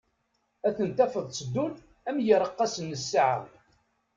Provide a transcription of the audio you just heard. Ad ten-tafeḍ tteddun am yireqqasen n ssaɛa.